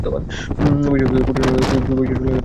বিষয়বস্তুর খুঁটিনাটি ও বৈচিত্র্য লইয়া আলোচনার সময় আমাদের নাই।